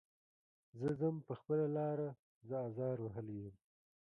زه ځم په خپله لاره زه ازار وهلی یم.